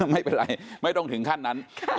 ไม่เป็นไรไม่ต้องถึงขั้นนั้น